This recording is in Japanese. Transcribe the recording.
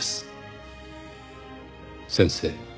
「先生